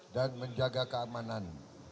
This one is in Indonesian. dan menjaga keamanan